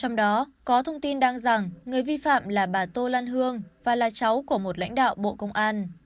trong đó có thông tin đăng rằng người vi phạm là bà tô lan hương và là cháu của một lãnh đạo bộ công an